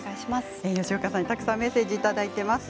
たくさんメッセージをいただいています。